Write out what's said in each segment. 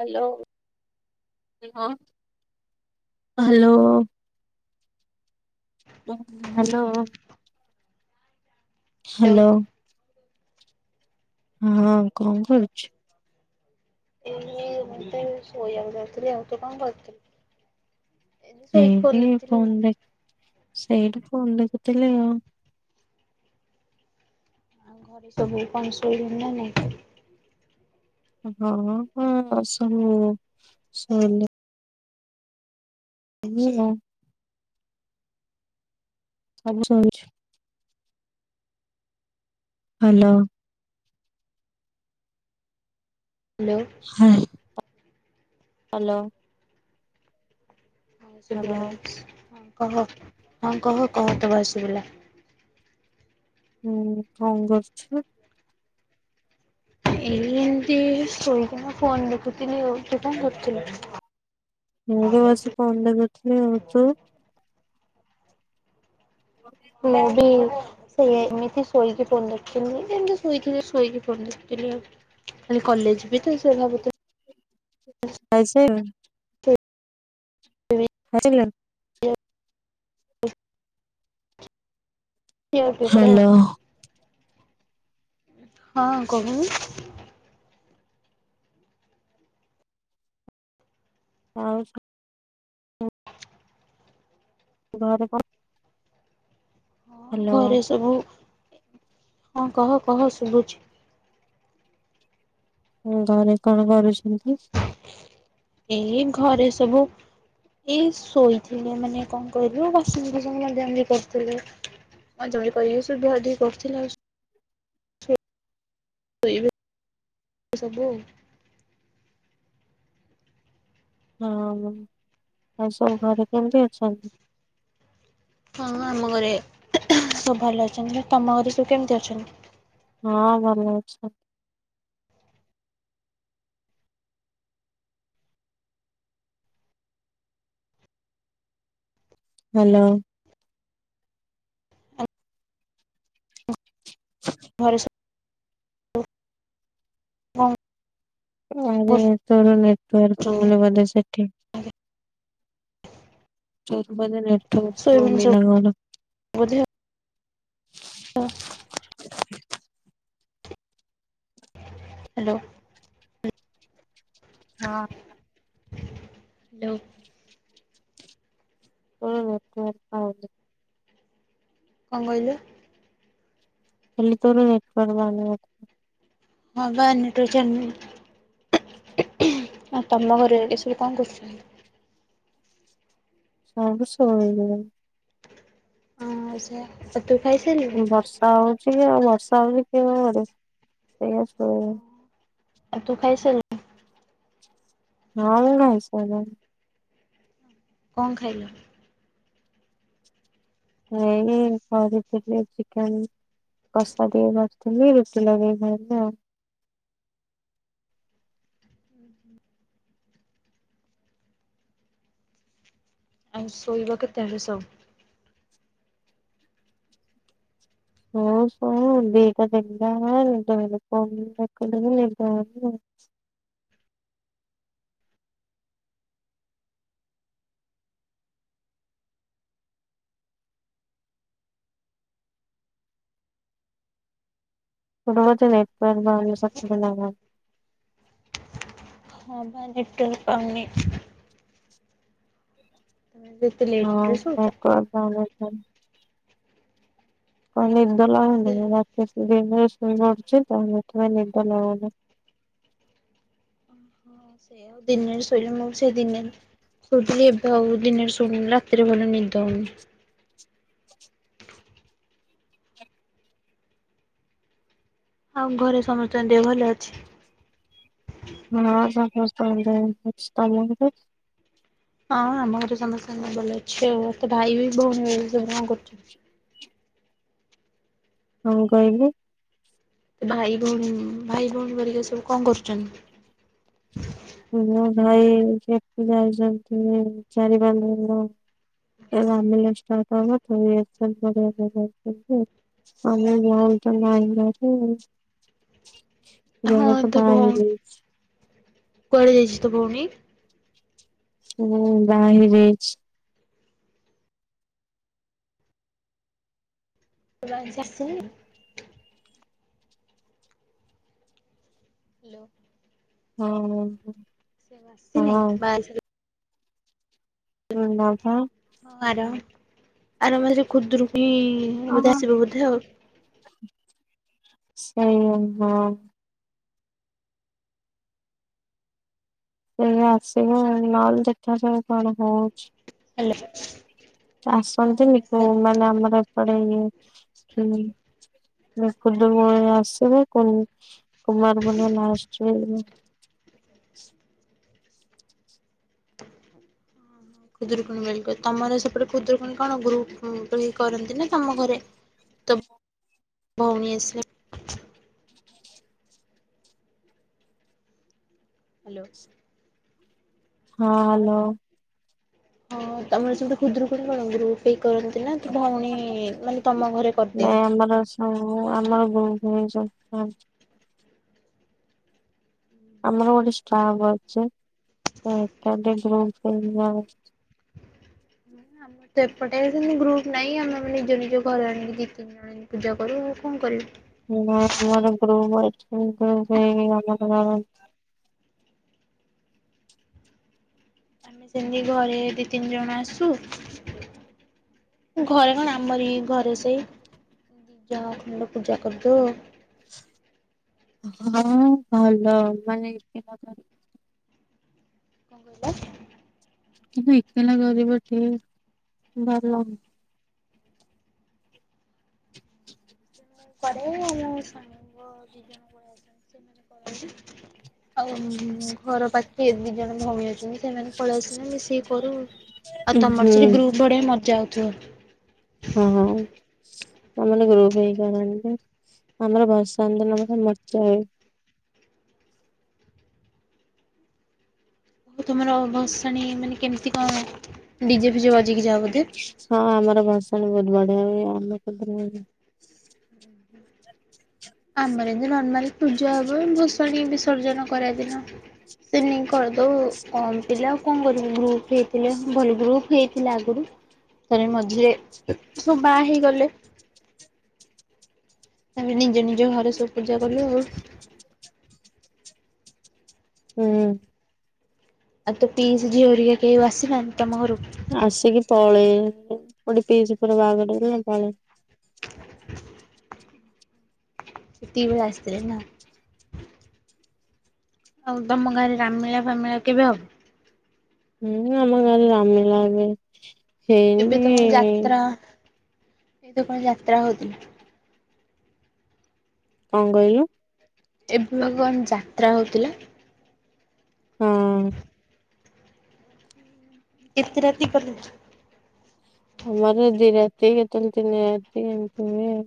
Hello ହଁ hello. Hello. Hello hello. ହଁ କଣ କରୁଛୁ? ଏ ଶୋଇବାକୁ ଯାଉଥିଲି ତୁ କଣ କରୁଛୁ? ସେଇଠି ଦେଖୁଥିଲି ଆଉ। ଫୋନ୍ ଦେଖ ସେଇଠି ଫୋନ୍ ଦେଖୁଥିଲି ଆଉ ଆଉ ଘରେ ସବୁ କଣ ଶୋଇଲେ ନା ନାଇଁ? ହଁ ହଁ ସବୁ ଶୋଇଲେ। ଏଇଆ ସବୁ ଶୋଇଛୁ। ହାଲୋ। ହାଲୋ। ହାଲୋ। ହଁ ଶୁଭିଲା ହଁ କହ ହଁ କହ କହ ତୋ ଭଏସ୍ ଶୁଭିଲା। ହୁଁ କଣ କରୁଛୁ? ଏଇମିତି ଶୋଇକିନା ଫୋନ ଦେଖୁଥିଲି ଆଉ ତୁ କଣ କରୁଥିଲୁ? ମୁଁ ବସି ଫୋନ ଦେଖୁଥିଲି ଆଉ ତୁ? ଓ ସେ ବି ସେଇ ଏମିତି ଶୋଇକି ଫୋନ ଦେଖୁଥିଲି ଏମିତି ଶୋଇକି ଶୋଇକି ଫୋନ ଦେଖୁଥିଲି ଆଉ ଖାଲି କଲେଜ ବି ତ ସେ ଭାବ ଖାଇସାରିଲୁନି? [inaudible] [inaudible] [inaudible] [inaudible] ହ୍ୟାଲୋ ହଁ କହୁନୁ? ଆଉଛି। ଘରେ କଣ? ହଁ ହ୍ୟାଲୋ ଘରେ ସବୁ ହଁ କହ କହ ଶୁଭୁଛି? ହଁ ଘରେ କଣ କରୁଛନ୍ତି? ଏଇ ଘରେ ସବୁ ଏ ଶୋଇଥିଲେ ମାନେ କଣ କହିଲୁ ବାସନ ଫ୍ୟାସନ ମଜା ମୂଜି କରିଥିଲେ ହଁ ଜମି କରି ସବୁ ଧୁଆ ଧୁଇ କରୁଥିଲେ ଆଉ ଏବେ ସବୁ ଆଉ ହଁ ଆଉ ସବୁ ଘରେ କେମିତି ଅଛନ୍ତି? ହଁ ଆମ ଘରେ ସବୁ ଭଲ ଅଛନ୍ତି ତମ ଘରେ ସବୁ କେମିତି ଅଛନ୍ତି? ହଁ ଭଲ ଅଛ। ହ୍ୟାଲୋ [inaudible] ଘରେ ସ କଣ ଆରେ ତୋର ନେଟୱାର୍କ କରୁଛନ୍ତି? ବୋଧେ ସେଠି ତୁ ଦେ ନେଟ ଶୋଇବେଣି ପାଉନି ସବୁ ନ କଣ ହଁ ହ୍ୟାଲୋ ହଁ ହ୍ୟାଲୋ କଣ ହୁଁ ହଉ କଣ କହିଲୁ? କହିଲି ତୋର ନେଟୱର୍କ ପାଉନି। ହଁ ବା ନେଟୱର୍କ ଚାଲ ଆଉ ତମ ଘରେ ଏ ସବୁ କଣ କରୁଛନ୍ତି? ସବୁ ଶୋଇଲେଣି ହଁ ସେୟା ତୁ ଖାଇସାରି ବର୍ଷା ହଉଛି କି ଆଉ ବର୍ଷା ହଉଛି କିଡିଶା ସେଇା ଶୁ ଆଉ ତୁ ଖାଇସରିଲୁଣି ମୁଁ ଖାଇଶରିଲିନି କଣ ଖାଇଲ? ଏଇ କରିଥିଲି ଚିକେନ କଷା ଟିକେ କରିଥିଲି ରୁଟି ଲଗେଇ ଖାଇଲି ଆଉ। ହୁଁ ହୁଁ ଆଉ ଶୋଇବ କେତେବେଳେ ସବୁ ହଉ ହ ଦଇଟା [unintelligible] ମୋର ବଧ ନେଟବ ପାଉନି ସତରେ ନା କଣ ହଁ ପା ନେଟୱର୍କ ପାଉନି। ତ ହଁ ନେଟୱର୍କ ପାଉନି କଣ ନିଦ ସେ ଲାଗୁନି ରାତି ଦିନରେ ଶୋଇ ବଡୁଛି ତଲେ ଏଥିପାଇଁ ନିଦ ଲାଗୁନି ହଁ ସେ ଆଉ ଦିନେରେ ଶୋଇଲ ମୁଁ ସେ ଦିନେ ଶୋଉଥିଲି ଏବେ ଆଉ ଦିନରେ ଶୋଇଲେ ରାତିରେ ଭଲ ନିଦ ହଉନି। ଆଉ ଘରେ ସମସ୍ତଙ୍କ ଦେହ ଭଲ ଅଛି। ହଁ ସମସ୍ତଙ୍କ ଦେହ ଭଲ ଅଛି ତମ ଘରେ? ହଁ ଆମ ଘରେ ସମସ୍ତଙ୍କ ଦେହ ଭଲ ଅଛି ଆଉ ଏତେ ଭାଇ ଭଉଣୀ କଣ କରୁଛନ୍ତି? କଣ କହିଲୁ? ଭାଇ ଭଉଣୀ ଭାଇ ଭଉଣୀ ହେରିକା ସବୁ କଣ କରୁଛନ୍ତି? ମୋ ଭାଇ ସେଠି ଯାଇଛନ୍ତି ଚାରି ପାଞ୍ଚ ଦିନ ଏ ଆାମେଷ୍ଟାର୍ ହ [unintelligible] ଆମେ ଜଲ ତ ନା ଘରେ ହଁ ଜଣେ ତ ତୋ ବାହା ହେଇ ଭଉଣୀ ଯାଇଛି। କୁଆଡେ ଯାଇଛି ତ ଭଉଣୀ। ହ ବାହା ହେଇ ଯାଇଛି। ତୁ ଆଜି ଆସିବୁନି? ହ୍ୟାଲୋ [inaudible] ହଁ। ହଁ [inaudible] ନାଁ [unintelligible] [unintelligible] ଆର ମାସରେ ଖୁଦୁରୁକୁଣି ସେଇଆ ହଁ। ସେଇ ଆସିବ ନ ହେଲେ ଦେଖାଯାଉ କଣ ହଉଛି। ହାଲୋ। ଆସନ୍ତିନି କୋଉ ମାନେ ଆମର ଏପଟେ ଇଏ [unintelligible] ଖୁଦରୀକୁଣିରେ ଆସିବେ ପୁଣି କୁମାର ପୁର୍ଣିମା ଲାଷ୍ଟ ରେ ଯିବେ। ଖୁଦୁରୁକୁଣୀ ବେଳୁକୁ ତମର ସେପଟେ ଖୁଦୁକୁଣଣି କଣ ଗ୍ରୁପ୍ ହେଇ କରନ୍ତି ନା ତମ ଘରେ, ତୋ ଭଉଣୀ ଆସିଲେ ହ ହାଲୋ। ହଁ ହାଲୋ। ହଁ ତମର ସେପଟେ ଖୁଦୁରୁକୁଣୀ କଣ ଗ୍ରୁପ୍ ହେଇକି କରନ୍ତି ନା ତୁ ଭଉଣୀ ମାନେ ତମ ଘରେ କରିଦିଅ। ହଁ ଆମର ଗ୍ରୁପ୍ ହେଇ ସବୁ କରନ୍ତି। ଆମର ଗୋଟେ ଷ୍ଟାପ୍ ଅଛି ସେ ଏକାଠି ଗ୍ରୁପ୍ ହେଇକି [unintelligible] ସେପଟେ ସେନ୍ତି ଗ୍ରୁପ୍ ନାଇଁ ଆମେ-ଆମେ ନିଜ-ନିଜ ଘରେ ଆଣିକି [unintelligible] ଆଣିକି ପୂଜା କରୁ ଆଉ କଣ କିରିବୁ। ହଁ ଆମର ଗ୍ରୁପ୍ ଅଛି ସେଇ ଆମର [inaudible] ଆମେ ସେମ୍ତି ଘରେ ଦି ତିନି ଜଣ ଆସୁ ଘରେ କଣ ଆମରି ଘରେ ସେଇ ଯାହା ଖଣ୍ଡ ପୂଜା କରଦଉ ଆଉ। ହଁ ଭଲ ମାନେ [unintelligible] କିନ୍ତୁ ଏକେଲା କରିବ ଠିକ୍ ଭଲ। [inaudible] ଆଉ ଘର ପାଖେରେ ଦି ଜଣ ଭଉଣୀ ଅଛନ୍ତି ସେମାନେ ପଳେଇ ଆସିଲେ ମିସିକି କରୁ ଆଉ। ଆଉ ତମର ସେଠି ହୁଁ ଗ୍ରୁପ୍ ବଢିଆ ମଜା ହଉଥିବ। ହଁ-ହଁ। [unintelligible] ଗ୍ରୁପ୍ ହେଇ କରନ୍ତି ଆମର ଭସାଣି ଦିନ ବଢିଆ ମଜା ହୁଏ। ଆଉ ତମର ଭସାଣି ମାନେ କେମ୍ତି କଣ ଡିଜେ ଫିଜେ ବଜେଇକି ଯାଅ ବୋଧେ? ହଁ ଆମର ଭଷାଣି ବହୁତ ବଢିଆ ହୁଏ ଆମ ଖୁଦୁରୁକୁଣି ଆମର ଏମ୍ତି ନର୍ମାଲ ପୂଜା ହବ ଭସଣୀ ବିସର୍ଜନ କରିଆ ଦିନ। ସେମିତି ନେଇକି କରିଦଉ ଆଉ କଣ ପିଲା ଆଉ କଣ କରିବୁ, ଗ୍ରୁପ୍ ହେଇଥିଲେ ଭଲ୍ ଗ୍ରୁପ ହେଇଥିଲା ଆଗରୁ। ଥରେ ମଝିରେ ସବୁ ବାହା ହେଇଗଲେ। ଆମେ ନିଜ-ନିଜ ଘରେ ସବୁ ପୂଜା କଲୁ ଆଉ। ହୁଁ। ଆଉ ତୋ ପିଇସି ଝିଅ ହେରିକା କେହି ଆଉ ଆସିନାହାନ୍ତି, ତମ ଘରୁକୁ ଆସିକି ପଳେଇ ଗୋଟେ ପିଇସି ପୁଅର ବାହାଘର ହେଲା ପଳେଇ ସେତିକି ବେଳେ ଆସଥିଲେ ନା? ଆଉ ତମ ଗାଁରେ ରାମ୍ ଲିଳା ଫାମ୍ ଲିଳା କେବେ ହବ? ହୁଁ ଆମ ଗାଁରେ ରାମ୍ ଲିଳା ଏବେ ଏବେ ତ ହେଇନି। କଣ ଯାତ୍ରା ଏଇ ତ କଣ ଯାତ୍ରା ହଉଥିଲା। କଣ କହିଲୁ? ଏବେ ବା କଣ ଯାତ୍ରା ହଉଥିଲା? ହଁ। କେତେ ରାତି। [unintelligible] ଆମର ଦି ରାତି କେତେବେଳେ ତିନି ରାତି ଏମିତି ହୁଏ ଆଉ।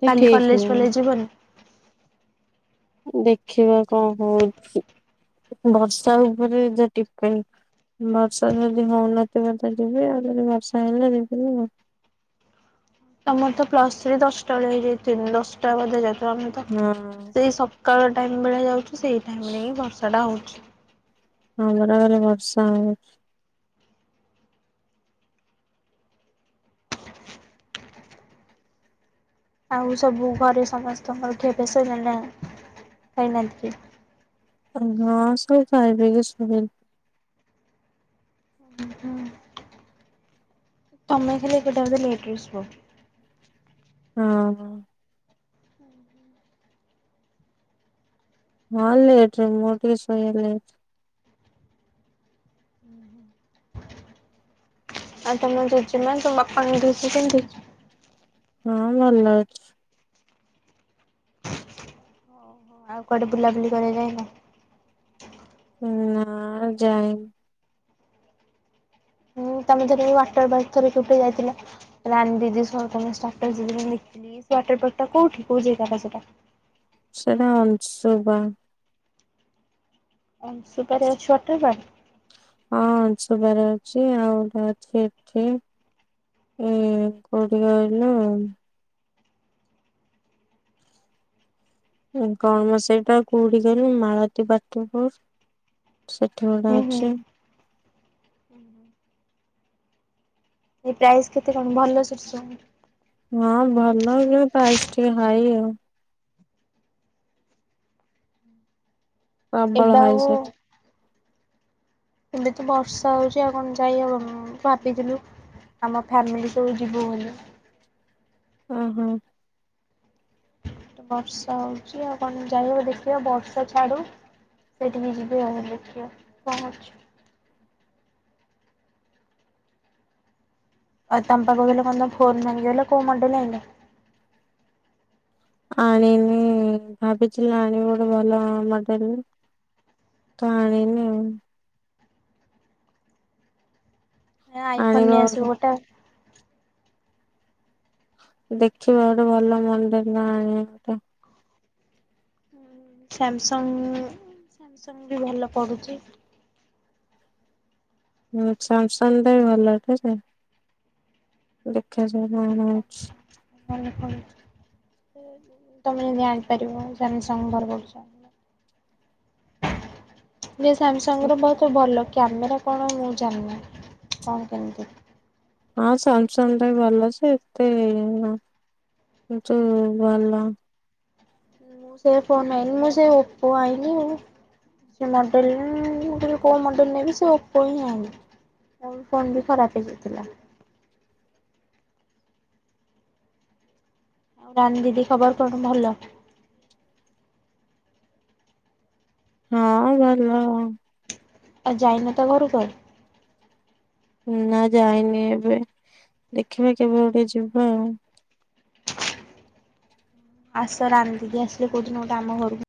ସେ କାଲି ଠିକ କଲେଜ୍ ନାହିଁ ଫଲେଜ୍ ଯିବନି? ଦେଖିବା କଣ ହଉଚି, ବର୍ଷା ଉପରେ ଡିପେଣ୍ଡ। ବର୍ଷା ଯଦି ହଉନଥିବ ତ ଯିବେ। ଆଉ ଯଦି ବର୍ଷା ହେଲେ ଯିବିନି। ତମର ତ ପ୍ଲସଥ୍ରୀ ଦଶଟା ବେଳେ ହେଇଯାଇଚି, ଦଶଟା ବଧେ ଯାଇଥିବ। ଆମେ ତ ହଁ। ସେଇ ସ ସକାଳ ଟାଇମ୍ ବେଳିଆ ଯାଉଚୁ ସେଇ ଟାଇମ୍ ରେ ହିଁ ବର୍ଷାଟା ହଉଚି। ହଁ ପରା ଖାଲି ବର୍ଷା। [unintelligible] ଆଉ ସବୁ ଘରେ ସମସ୍ତଙ୍କର ଖିଆ ପିଆ ସଇଲାଣି ନା? ଖାଇନାହାନ୍ତି କେହି। ହଁ ସବୁ ଖାଇପିଇକି ଶୋଇଲେଣି। ଉଁ ହୁଁ। ତମେ ଖାଲି ଏକୁଟିଆ ବୋଧେ ଲେଟ୍ ରେ ସୁଅ? ହଁ ହଁ। ହଁ ଲେଟ୍ ରେ ମୋର ଟିକେ ସୋଇବା ଲେଟ୍। ଆଉ ତମ ଜେଜେ ମା ତମ ବାପାଙ୍କ ଦେହ ଅଛି କେମିତି? ହଁ ଭଲ। ଆଉ କୁଆଡେ ବୁଲାବୁଲି କରିବାକୁ ଯାଇନ? ନା ଯାଇନି। ହୁଁ ତମେ ତ କେବେ ୱାଟର ପାର୍କ ଥରେ କେବେ ଯାଇଥିଲ? ରାନୀ ଦିଦି ସହ ତମ ଷ୍ଟାଟସ୍ ସେଦିନ ଦେଖିଥିଲି। ସେ ୱେଟର ପାର୍କ ଟା କୋଉଠି କୋଉ ଜାଗା ଟା ସେଟା? ସେଟା ଅଂଶୁପା। ଅଂଶୁପା ରେ ଅଛି ୱାଟର ପାର୍କ? ହଁ ଅଂଶୁପା ରେ ଅଛି। ଆଉ ଗୋଟେ ଅଛି ଏଠି। ଏ କୋଉଠି କହିଲ? କଣ ମ ସେଇଟା କୋଉଠି କହିଲୁ ମାଳତୀ ପାଟପୁର ସେଇଠି ଗୋଟେ ହୁଁ ହୁଁ ଅଛି। ଦିଦି ପ୍ରାଇସ୍ କେତେ କଣ? ଭଲ ସେଠି ସବୁ। ହଁ ଭଲ କିନ୍ତୁ ପ୍ରାଇସ୍ ଟିକେ ହାଇ ଆଉ। ପ୍ରବଳ ଏବେ ହାଇ ଆଉ ସେଠି। ଏବେ ତ ବର୍ଷା ହଉଚି ଆଉ କଣ ଯାଇ ହବ ଭାବିଥିଲୁ ଆମ ଫ୍ୟାମିଲି ସବୁ ଯିବୁ ବୋଲି। ଅ ହଁ। ବର୍ଷା ହଉଚି ଆଉ କଣ ଯାଇହବ। ଦେଖିବା ବର୍ଷା ଛାଡୁ। ସେଇଠିକି ଯିବି ଆଉ ଦେଖିଆ କଣ ହଉଚି। ଆଉ ତମେ ପା କହୁଥିଲ କଣ ତମ ଫୋନ୍ ଭାଙ୍ଗିଗଲା। କୋଉ ମଡେଲ ଆଣିଲ? ଆଣିନି। ଭାବିଥିଲି ଆଣିବି ଗୋଟେ ଭଲ ମଡେଲେ। ତ ଆଣିନି ଆଉ। ଏ ଆଇଫୋନ୍ ନେଇ ଆସିବ ଗୋଟେ ଆଉ। ଦେଖିବା ଗୋଟେ ଭଲ ମଡେଲ୍ ଆଣିବି ଗୋଟେ। ସ୍ୟାମସଙ୍ଗ ସ୍ୟାମସଙ୍ଗ ବି ଭଲ ପଡୁଚି। ହୁଁ ସ୍ୟାମସଙ୍ଗ ଟା ବି ଭଲ ଟେ ଯେ। ଦେଖାଯାଉ କଣ ହଉଚି। [unintelligible] ତମେ ତ ଜାଣିପାରିବ ସ୍ୟାମସଙ୍ଗ ବ୍ୟବହାର କରୁଚ। [inaudible] ଯେ ସ୍ୟାମସଙ୍ଗ ର ବହୁତ ଭଲ। କ୍ୟାମେରା କଣ ମୁଁ ଜାଣିନି କଣ କେମିତି। ହଁ ସ୍ୟାମସଙ୍ଗ ଟା ବି ଭଲ ଯେ ଏତେ ଇଏ ନୁହଁ। କିନ୍ତୁ ଭଲ। ମୁଁ ସେ ଫୋନ ଆଇି ମୁେ ଓପୋ ଆଇି। ସେ ମଡ଼େଲ ମୁ କହିଲି କୋଉ ମଡ଼େଲ୍ ନେବି ସେ ଓପ ହିଁ ଆଣିଲି। ଆ ଫୋନ ବି ଖରାପ ହେଇଯାଇଥିଲା। ରାଣୀ ଦିଦି ଖବର କଣ ଭଲ? ହଁ ଭଲ। ଆ ଯାଇନ ତା ଘରକୁ? ନା ଯାଇନି ଏବେ ଦେଖିବା କେବେ ଗୋଟେ ଯିବା ଆଉ। ଆସ ରାନ୍ଧିିକି ଆସିଲ କଉଠି କୋଉଠି ଆମ ଘରକୁ।